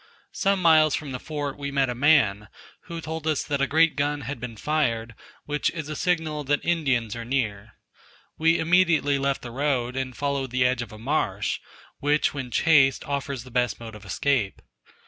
Some miles from the fort we met a man, who told us that a great gun had been fired, which is a signal that Indians are near. We immediately left the road, and followed the edge of a marsh, which when chased offers the best mode of escape.